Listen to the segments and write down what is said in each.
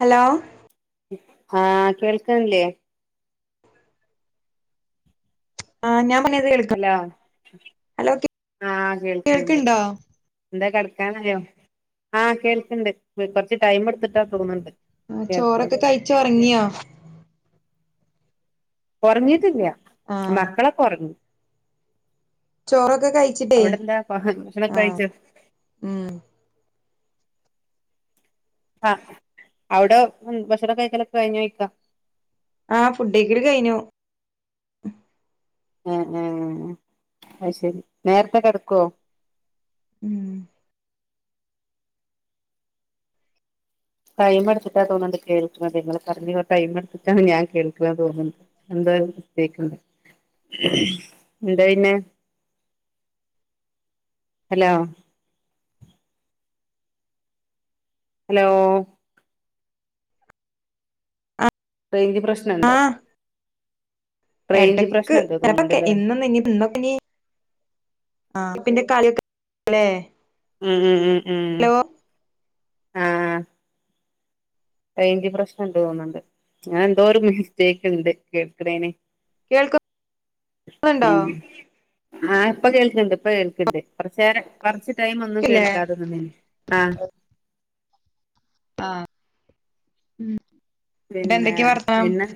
Hello ആഹ് കേൾക്കണില്ലേ ആഹ് ഞാ ഹലോ ആഹ് കേൾക്കുന്നുണ്ട് കേൾക്കണ്ടോ എന്താ കിടക്കാനായോ ആ കേൾക്കണ്ട് വെ കൊറച്ച് ടൈം എടുത്തിട്ടാ തോന്നണ്ട് ആ ചോറൊക്കെ കഴിച്ച് ഒറങ്ങിയാ കൊറഞ്ഞിട്ടില്ല്യ ആഹ് മക്കളൊക്കൊറങ്ങി ചോറൊക്കെ കഴിച്ചിട്ടേ അവിടെന്താ ഭക്ഷണൊക്കെ ആഹ് കഴിച്ചോ ഉം ഉം ആഹ് അവിടെ ഉം ഭക്ഷണം കഴിക്കലൊക്കെ കഴിഞ്ഞ് വയ്ക്ക ആഹ് ഫുഡഴിക്കല് കഴിഞ്ഞു ഉം -ഉം അത് ശരി നേരത്തെ കെടക്കുവോ ഉം ടൈം എടുത്തിട്ടാ തോന്നുണ്ട് കേൾക്കണതേ നിങ്ങള് പറഞ്ഞ് ടൈം എടുത്തിട്ടാണ് ഞാൻ കേൾക്കണ തോന്നുന്നു ടെ തേക്കും എന്താ പിന്നെ ഹലോ ഹലോ റേഞ്ച് പ്രശ്നമുണ്ടോ ആഹ് എടക്ക് [unintelligible] ഇന്നൊ [unintelligible] ഇന്നൊക്കെ [unintelligible] [inaudible] ഉം ഉം ഉം ഉം ഹലോ ആഹ റേഞ്ച് പ്രേശ്നമുണ്ടെന്ന് തോന്നുന്നുണ്ട് ഞാൻ എന്തോ ഒരു മിസ്റ്റേക്ക് ഉണ്ട് കേൾക്കുന്നേന് പിന്നെ [inaudible] ആഹ് ഇപ്പൊ കേൾക്കണ്ട് ഇപ്പൊ കേൾക്കണ്ട് കുറച്ചേച്ച് ടൈം ഒന്നും കേക്കില്ലേ കേൾക്കാതെ എന്നിട്ട് നിന്നിന്ന് ആ ആഹ്--ഹ്മ്മ് പിന്നെ എന്ന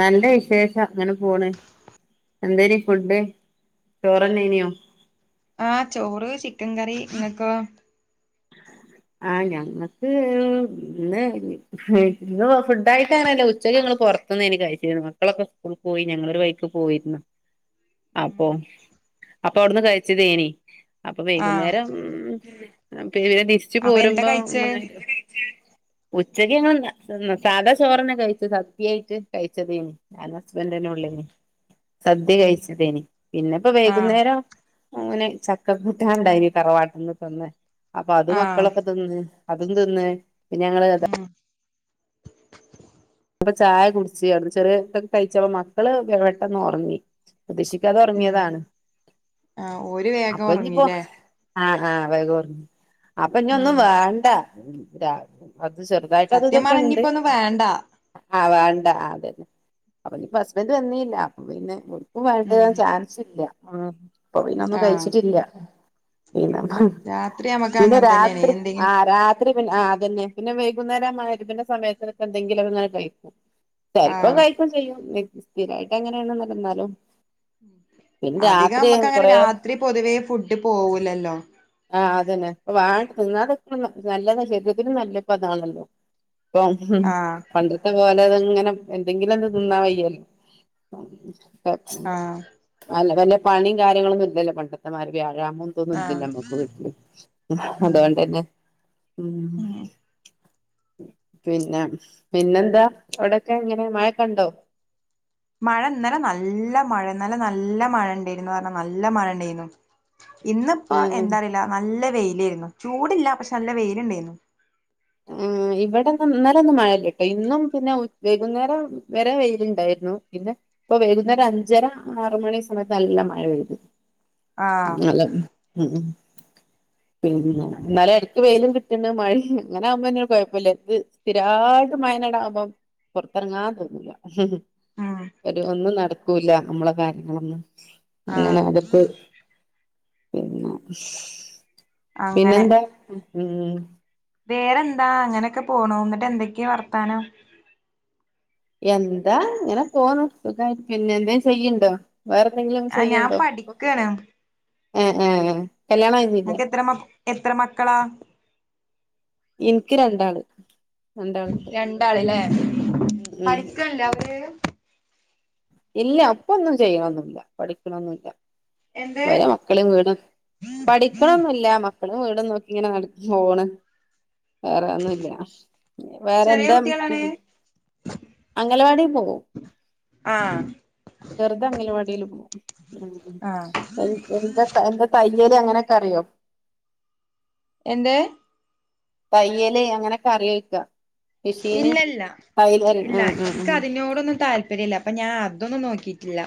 നല്ല വിശേഷം അങ്ങനെ പോണ് എന്തേന് ഫുഡ്- ചോറന്നെനോ ആഹ ചോറ് ചിക്കൻ കറി ഇങ്ങക്കൊ ആ ഞങ്ങക്ക് ഇന്ന് ഫുഡായിട്ട് അങ്ങനെല്ല ഉച്ചക്ക് പൊർത്തുന്നേനി കഴിച്ചിര്ന്നെ മക്കളൊക്കെ സ്കൂൾ പോയി. ഞങ്ങള് ഒരു വഴിക്ക് പോയിര്ന്നു. അപ്പൊ ഉം അപ്പൊ അവിടുന്ന് കഴിച്ചതേനി. അപ്പൊ ആഹ് വൈകുന്നേരം [unintelligible] [unintelligible] [inaudible] അപ്പൊ എന്താ കഴിച്ചേ ഉച്ചക്ക് ഞങ്ങള് ന്ന തിന്ന സാധാ ചോറെ ന്നെ കഴിച്ച് സദ്യായിട്ട് കഴിച്ചതേന്. ഞാനും ഹസ്ബൻഡന്നെ ഉള്ളെ സദ്യ കഴിച്ചതേന്. പിന്നെ ഇപ്പൊ ആഹ് വൈകുന്നേരം- അങ്ങനെ ചക്കകൂട്ടാൻ ഉണ്ടായിന് തറവാട്ടന്ന് തന്ന അപ്പൊ അത് ആഹ് മക്കളൊക്കെ തിന്ന് അതും തിന്ന് പിന്നെ ഞങ്ങള് [unintelligible] ഉം അപ്പൊ ചായ കുടിച്ച് പറഞ്ഞി. ചെറിയൊക്കെ കഴിച്ചപ്പ മക്കള് പെട്ടെന്ന് ഒറങ്ങി. പ്രതീക്ഷിക്കാതെ ഉം ഒർങ്ങിയതാണ്. ആഹ് ഓര് വേഗം അപ്പൊ ഇനിപ്പോ ഉറങ്ങില്ലേ ആ ആ വേഗം. അപ്പൊ ഇനി ഒന്നും ഉം വേണ്ട അത് ചെറുതായിട്ട് അത് സത്യം ഇതൊക്കെ പറഞ്ഞ ഇണ്ട് ഇനിയിപ്പോ ഒന്നും വേണ്ട ആഹ് വേണ്ട അതന്നെ അപ്പൊ ഇഞ്ഞ്‌പ്പോ ഹസ്ബൻഡ് വന്നീല്ല അപ്പൊ പിന്നെ ഇ ഉം [unintelligible] ചാൻസ് ഇല്ല മ് അപ്പൊ പിന്നെ ഒന്നും ആഹ് കഴിച്ചിട്ടില്ല. പിന്നെന്താ രാത്രി നമ്മക്ക് പിന്നെ അങ്ങനെ തന്നെയാണ് രാത്രി ആ എന്തെങ്കിലും രാത്രി ആ അതന്നെ പിന്നെ വൈകുന്നേരം. മഹ്രിബിന്റെ സമയത്തിനൊക്കെ എന്തെിലും ഒക്കെ ഇങ്ങനെ കഴിക്കും. ചെൽപ്പം ആഹ് കഴിക്കും ചെയ്യും സ്ഥിരായിട്ട് അങ്ങനാണ്ന്നല്ല ന്നാലും അധികം നമ്മക്ക് അങ്ങനെ രാത്രി പൊതുവേ ഫുഡ് പോവൂലല്ലോ ആഹ് അത തന്നെ ഇപ്പൊ നല്ലതാ ശരീരത്തിനും നല്ല ഇപ്പൊ അതാണല്ലോ ആഹ് [unintelligible] അത്പോലെ അതങ്ങനെ എന്തെങ്കിലും ഒന്ന് തിന്നാ വയ്യേ ആഹ് അല്ല വല്ല പണിയും കാര്യങ്ങളൊന്നും ഇല്ലല്ലോ പണ്ടത്തെമാരി [unintelligible] തൊന്നും ആഹ് ഇല്ലല്ലോ അമ്മുക്ക് വീട്ട്ല് ഉം അതോണ്ടെന്നെ ഉം പിന്നെ- പിന്നെന്താ അവിടെയൊക്കെ എങ്ങനെ മഴക്കണ്ടോ മഴ ഇന്നലെ നല്ല മഴ ഇന്നലെ നല്ല മഴ ഇണ്ടായിരുന്നു. പറഞ്ഞാ നല്ല മഴ ഉണ്ടായിരുന്നു. ഇന്നിപ്പോ ഉം എന്താറിയില്ല നല്ല വെയിലായിരുന്നു. ചൂടില്ല പക്ഷെ നല്ല വെയിലുണ്ടായിരുന്നു. ആ ഇവടെ ഇന്നലെ ഒന്നും മഴല്ല ട്ടോ ഇന്നും പിന്നെ വൈകുന്നേരം വരെ വെയില്ണ്ടായി പിന്നെ ഇപ്പൊ വൈകുന്നേരം അഞ്ചര ആറ് മണി സമയത്ത് നല്ല മഴ പെയ്തു. ആഹ് [unintelligible] മ്മ് പിന്നെ എന്നാല് ഇടക്ക് വെയിലും കിട്ടണ് മഴമ്മ് അങ്ങനെ ആകുമ്പോന്നും കുഴപ്പമില്ല എന്ത് സ്ഥിരമായിട്ട് മഴന്നെ ആകുമ്പോം പൊർത്തെർങ്ങാ തോന്നൂല. ഉം ഒരു ഒന്നും നട്ക്കൂല്ല നമ്മളെ [unintelligible] ആഹ് ഇങ്ങനെ അതൊക്ക് പിന്നെ പിന്നെ അങ്ങനെ എന്താ ഹ്മ്മ് വേറെന്താ അങ്ങനൊക്കെ പോണു ന്നിട്ട് എന്തൊക്കെയാ വർത്താനം? എന്താ ഇങ്ങനെ പോണു സുഖായി പിന്നെ എന്തേ ചെയ്യുണ്ടോ വേറെ എന്തെങ്കിലും ആഹ് ഞാൻ ചെയ്യുണ്ടോ ഇപ്പം പഠിക്കാണ് എ ഏ കല്യാണം കഴിഞ്ഞില്ലേ നനക്ക് എത്ര മ എത്ര മക്കളാ. ഇൻക്ക് രണ്ടാള്. രണ്ടാളുണ്ട് രണ്ടാള്ല്ലേ. ഉം ഉം പഠിക്കല്ലേ അവര്? ഇല്ല അപ്പൊന്നും ചെയ്യണൊന്നില്ല പഠിക്കണൊന്നില്ല. എന്ത് വരെ മക്കളും വീട പഠിക്കണന്നൂല്ല്യ മ എപ്പളും വീട് നോക്കി ഇങ്ങനെ നട പോണ് വേറെന്നുല്ല്യാ വേറെ ചെറിയ എന്താ കുട്ടികളാണ് അംഗലവാടിൽ പോകും ആഹ് ചെറുത് അംഗനവാടിൽ പോകും ആഹ് എ എന്താ തയ്യല് അങ്ങനെ ക്കറിയോ എന്റെ തയ്യലേ അങ്ങനൊക്കെ അറിയോക്ക ഇല്ലല്ല ഇല്ല ആ ആ ഇക്ക് ആ അതിനോടൊന്നും താല്പര്യി യല്ല അപ്പൊ ഞാൻ അതൊന്നും നോക്കിയിട്ടില്ല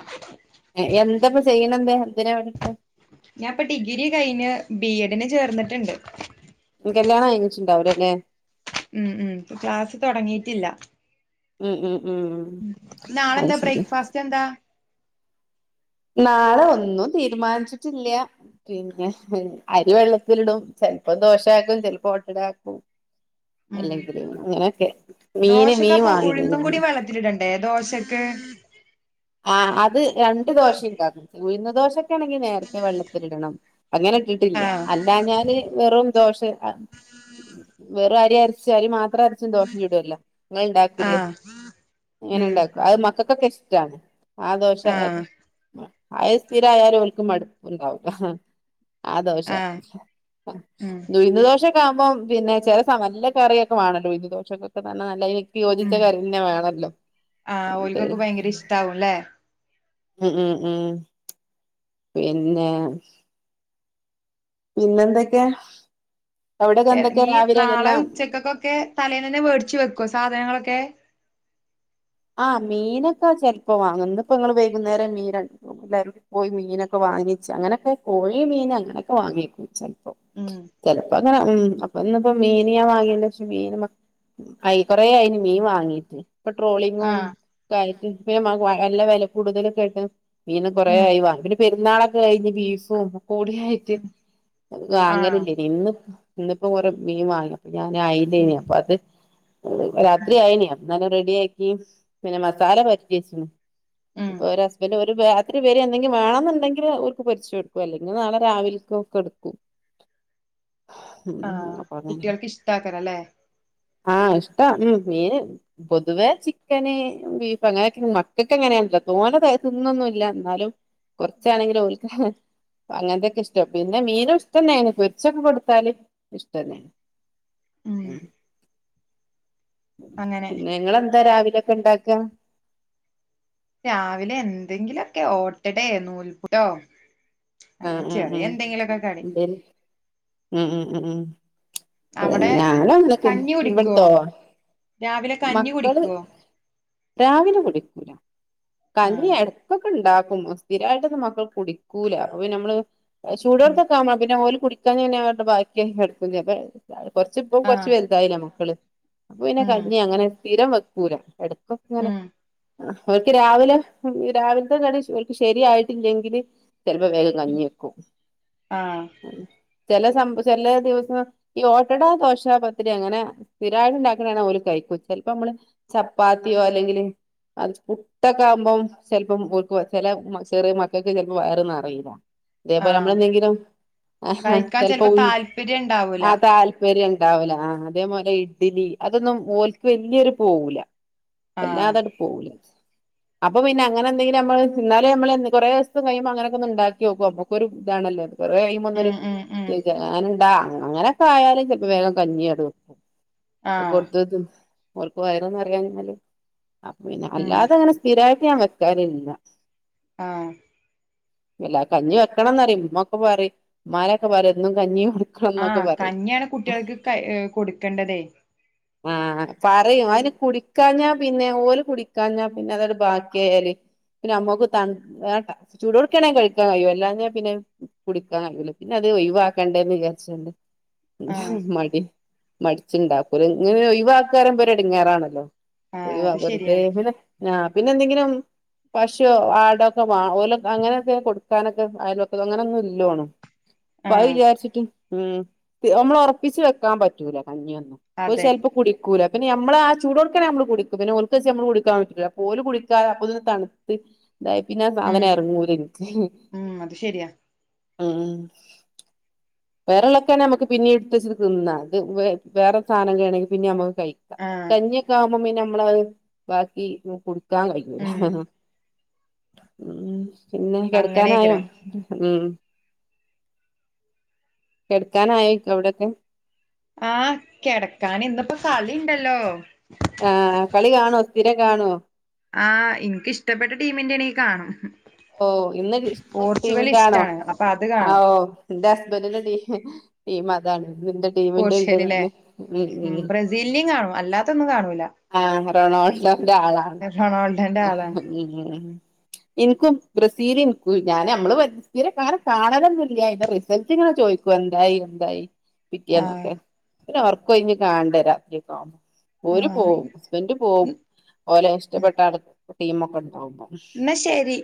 എന്താപ്പ ചെയ്യണെന്ത് എന്തിനാ പഠിക്കണെ ഞാൻപ്പൊ ഡിഗ്രി കഴിഞ്ഞ് ബി എഡിന് ചേർന്നിട്ടുണ്ട്. കല്യാണം കഴിഞ്ഞിട്ടുണ്ടാവില്ലല്ലേ. ഉം ഉം ക്ലാസ്സ് തുടങ്ങിയിട്ടില്ല ഉം ഉം ഉം അവ് നാളെന്താ ശരി ബ്രേക്ക്ഫാസ്റ്റ് എന്താ നാളെ ഒന്നും തീരുമാനിച്ചിട്ടില്ല്യാ പിന്നെ അരിവെള്ളത്തിലിടും ചെലപ്പോ ദോഷക്കും ചെൽപ്പോ ഒട്ടടാക്കും അല്ലെങ്കിലും അങ്ങനൊക്കെ ദോശൊക്കെ അപ്പ ഉഴുന്നും കൂടി വെള്ളത്തി ഇടണ്ടേ ദോശൊക്കെ ആ അത് രണ്ട് ദോശയുംണ്ടാണം ഉഴന്ന ദോശൊക്കെ ആണെങ്കി നേരത്തെ വെള്ളത്തിലിടണം അങ്ങനെ ഇട്ടിട്ടില്ല ആഹ് അല്ല ഞാന് വെറും ദോഷ അ ഉഹ [unintelligible] ഒരരിചാലു മാ എത്ര അർച്ചും ദോശചുടല്ലോ ഇങ്ങള് ഉണ്ടാക്കലേ ആഹ് ഉം ഇങ്ങനെണ്ടാക്ക അത് മക്ക പൊക്കെ ഇഷ്ടണ് ആ ദോഷ ആഹ് ആയ സ്ഥിരായാലും മടുപ്പണ്ടാവുല്ല ആ ദോശ ആഹ് ഉം ഉഴുന്ന്ദോശ ഇപ്പബം പിന്നെ ചെല സമ നല്ല കറിയൊക്കെ വേണല്ലോ ഉയിന്ന്ദോശങ്ങക്കൊക്കെ നല്ല നല്ല യോജിച്ച ഉം കാറിന്നെ വേണല്ലോ ആഹ് ഓൽക്കൊക്കെ ഭയങ്കര ഇഷ്ടാവുംല്ലേ ഉം ഉം ഉം പിന്നെ പിന്നെന്തൊക്കെയാ ഇറങ്ങി നാളെ ഉച്ചക്കൊക്കൊക്കെ തലേന്ന് തന്നെ വേടിച്ചു വെക്കുവോ സാധനങ്ങളൊക്കെ. ആ മീനൊക്കെ ചെപ്പോ വാങ്ങ ഇപ്പോ നിങ്ങള് വൈകുന്നേരം മീൻ എല്ലരുംടി പോയി മീനൊക്കെ വാങ്ങ വാങ്ങിച് അങ്ങനൊക്കെ കോഴി മീൻ അങ്ങനൊക്കെ വാങ്ങിക്കും. ചെലപ്പം ഉം ചെലപ്പം അങ്ങനെ ഉം ഇപ്പ ഇന്നിപ്പോ മീന് ഞാൻ വാങ്ങിയല്ല പക്ഷെ മീൻ കൊറയിണ് മീൻ വാങ്ങീട്ട് ഇപ്പൊ ട്രോ ആഹ് ന്നെ [unintelligible] നല്ല വെല കൂടുതലക്കായിട്ട് മീന് ഉം കൊറായി വാങ്ങി പിന്നെ പെരുന്നാളൊക്കെ കഴിഞ്ഞ് ബീഫും ഒക്കെ കൂടിയായിട്ട് ഉം ആഹ് വാങ്ങലില്ലെന്നു ഇന്ന് ഇന്നിപ്പോ കൊറ മീൻ വാങ്ങി അപ്പ ഞാൻ അയില്ലേ ഉം അപ്പ അത് ഉം രാത്രി ആയിന് അപ്പം ഞാൻ ന്നെ മസാല പൊരാട്ടിയേച്ചിന് ഉം ഒരേ ഹസ്ബൻ ഒരു രാത്രി വെര് എന്തെങ്കിലും വേണെന്നുണ്ടെങ്കി ഓർക്ക് പൊരിച്ചെടുക്കും അല്ലെങ്കിൽ നാളെ രാവിലേ ഒക്കെ എടുക്കും. ഉ ആഹ് അപ്പൊ തെ കുട്ടികൾക്ക് ഇഷ്ടാക്കരല്ലേ [unintelligible] ആ ഇഷ്ട്ടാ ഉ മീന് പൊതുവെ ചി ചിക്കന് ബീഫ് അങ്ങനെയൊക്കെ മക്കൾക്ക് അങ്ങനെയാണല്ലോ തോന്നെ തിന്നൊന്നും ഇല്ല എന്നാലും കുറച്ചാണെങ്കിലും ഓൽക്ക് അങ്ങനത്തെക്കെ ഇഷ്ട്ടം പിന്നെ മീനും ഇഷ്ടന്നെനി പൊരിച്ചൊക്കെ കൊടുത്താല് ഇഷ്ടന്നെണ് ഉം അങ്ങനെ പിന്നെ നിങ്ങളെന്താ രാവിലൊക്കെ ഇണ്ടാക്കാ രാവിലെ എന്തെങ്കിലൊക്കെ ഓട്ടട നൂൽപുട്ടോ ആഹ അങ്ങനെ ചെറിയ ഉം എന്തെങ്കിലൊക്കെ കടി ഉം ഉം ഉ ഉ ഉ അതന്നെ അവിടെ ഞങ്ങള അന്നക്ക് കഞ്ഞി കുടിക്കോ ഇവിടത്തോ രാവിലെ കഞ്ഞി മക്കള് കുടിക്കുവോ രാവിലെ കുടിക്കൂല കഞ്ഞി ആഹ് ഇടക്കൊക്കെ ഉണ്ടാക്ക് സ്ഥിരട്ടൊന്നും മക്കൾ കുടിക്കൂല അപ്പ നമ്മള് ഉം ചൂടുടുത്തൊക്കെ ആവ്പ പിന്നെ ഓലും കുടിക്കാൻ തന്നെ അവരുടെ ബാക്കി എടുക്കും കുറച്ച ഇപ്പം കൊറച്ച് ആഹ് വലുതായില്ല മക്കള് [unintelligible] പിന്നെ ഉം കഞ്ഞി അങ്ങനെ സ്ഥിരം വെക്കൂല എടക്കൊക്കെ ഇങ്ങനെ- ഉം രാവിലെ രാവിലത്തെ കടി ശരിക്കും ശരിയായിട്ടില്ലെങ്കില്- ചെലപ്പോൾ വേഗം കഞ്ഞി വെക്കും. ആഹ് ചില സം ചില ദിവസം ഈ ഓട്ടട, ദോശ, പത്തിരി അങ്ങനെ സ്ഥിരായി ഉണ്ടാക്കണാണ് ഓലു - ചിലപ്പോൾ നമ്മള് ചപ്പാത്തിയോ അല്ലെങ്കിൽ- ഇത്തൊക്കെ ആകുമ്പം ചിലപ്പം ചില ചെറിയ മക്കൾക്ക് ചിലപ്പോ വയർ നിറയില്ല. അതേപോലെ ആഹ് നമ്മള എന്തെങ്കിലും ആ കഴിക്കാൻ ചെലപ്പോ ചിലപ്പം താല്പര്യം ഇണ്ടാവൂല ആ താല്പര്യം- ഉണ്ടാവല ആ അതേപോലെ ഇഡ്ലി അതൊന്നും ഓല്ക്കു വല്ലിയൊരു പോകൂല. ആഹ് അല്ലാതടൂ പോവൂല്ല. അപ്പൊ പിന്നെ അങ്ങനെ എന്തേലും നമ്മൾ എന്നാലും നമ്മൾ കുറെ ദിവസം കഴിയുമ്പോ അങ്ങനക്കെ ഒന്ന് ഉണ്ടാക്കി നോക്കും. അപ്പോൾ ഒരു ഇതാണല്ലോ, വറ കഴിയുമ്പോ ഒന്നൊരു ഉം ഉം ഉം [unintelligible] അങ്ങനെയൊക്കെ ആയാലും വേഗം കഞ്ഞി ആടുവെക്കും. ആഹ് കൊടുതോക്കും ഓർക്കു വയറ് [unintelligible] അപ്പം പിന്നെ ഉം അല്ലാതെ അങ്ങനെ [unintelligible] ആ ഇല്ല കഞ്ഞി വെക്കണമെന്നു പറയും. ഉമ്മൊക്കെ പറയും ഉമമാനൊക്കെ പറയും എന്നും കഞ്ഞിയും ആ കഞ്ഞിയാണ് കുട്ടികൾക്ക് ക കൊടുക്കണ്ടതേ. ആ പറയും അതിന് കുടിക്കാഞ്ഞാ പിന്നെ, ഓല് കുടിക്കാഞ്ഞാ പിന്നെ അത് എടു- ബാക്കിയാൽ. പിന്നെ അമ്മക്ക് ത ചൂടുോടിക്കാണെങ്ക കഴിക്കാൻ കഴിയോ അല്ലാതെ പിന്നെ കുടിക്കാൻ കഴൂല പിന്നെ അത് ഒഴിവാക്കണ്ടേന്ന് വിചാരിച്ചണ്ട്. ആഹ് മടി മടിച്ചുണ്ടാക്കൂല. ഇങ്ങനെ ഒഴു വാക്കുമ്പോഴേപോര ഇടങ്ങാറാണല്ലോ? ആഹ് അത് [unintelligible] വെറുതെ ശരിയാണ് പിന്നെ ആ പിന്നെ എന്തെങ്കിലും പശുവോ, ആടൊക്കെ വ ഓല് അങ്ങനെയൊക്കെ കൊടുക്കാനൊക്കെ അയ്ലോക്കം അങ്ങനോന്നും ഇല്ലോണം. അപ്പ അത് ആഹ് വിചാരിച്ചിട്ട് ഉം നമ്മള ഉറപ്പിച്ച് വെക്കാൻ പറ്റൂല. പഞ്ഞിയൊന്നും ഓര് അതെ ചിലപ്പോൾ കുടിക്കൂല പിന്നെ നമ്മള് ആ ചൂടടുക്കെ നമ്മള് കുടിക്കും. [unintelligible] വെച്ച് നമ്മള് കുടിക്കാൻ നിക്കു ഓല് കുടിക്കാര അപ്പന്ന് തണുത്ത്. ഇതായ പിന്നെ ആ സാധന ഉം ഇറങ്ങൂര എനിക്ക്. ഉം അത് ശരിയാ ആ വേറോളൊക്കെ ആണ് നമുക്ക് പിന്നെ എടുത്ത തിന്ന അത് വേറെ സാധനം കാണെങ്കിൽ പിന്നെ നക്ക് കഴിക്ക ആഹ് കഞ്ഞി ഒക്കെ ആകുമ്പോൾ പിന്നെ നമ്മളത് ബാക്കി ഉം [unintelligible] പിന്നെ കെടക്കാനായോ? അങ്ങനെയ്ക്കാരം ഉം. കെടുക്കാനായോ അവിടൊക്കെ? ആ കിടക്കൻ എന്തപ്പോ കളിണ്ടല്ലോ? ആ കളി കാണുവോ? സ്ഥിരം കാണുവോ? ആ എനിക്ക് ഇഷ്ടപ്പെട്ട ടീമിന്റെറെ ആണെങ്കിൽ കാണും. ഓ ഇന്ന് പോർച്ചുഗൽ ഇഷ്ടടീമിന്റൊണോ? ഇഷ്ടാണ് അപ്പൊ അത് ആ കാണും ഓ [unintelligible] ഈ മതാണ്. നിന്റെ ടീമിന്റെറെ ഉണ്ട് പോർച്ചുഗല് ല്ലേ നന്നെ ഉം ഉം. ബ്രസീലിനിം കാണും അല്ലാത്തൊന്നും കാണൂല ആ റൊണാൾഡോന്റെ ആളാണ്. റൊണാൾഡോന്റെ ആളാണ് ഇൻ ബ്രസീലിയ ഞൻ നമ്മൾ [unintelligible] കാണലൊന്നില്ല അന്റെ റിസൾട്ട് ഇങ്ങനെ ചോദിക്കും എന്താ [unintelligible] എന്തായി ആഹ് പിറ്റിയന്നൊക്കെ പിന്നെ ഉറക്കം ഉഴിഞ്ഞു കാണണ്ടേ രാത്രിയൊക്കെ. ഓര്പോവും ആഹ് ഹസ്ബന്റ് പോവും ഓലെ ഇഷ്ടപെട്ട ആൾടെ ടീമൊക്കെ ഒണ്ട എന്ന ശരി.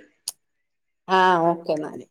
ആ ഓക്കെ ന്നാല്.